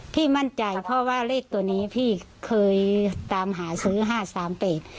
พี่มั่นใจเพราะว่าเลขตัวนี้พี่เคยตามหาซื้อห้าสามแปด